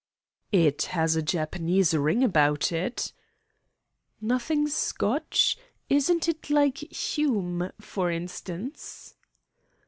"It has a Japanese ring about it." "Nothing Scotch? Isn't it like Hume, for instance?"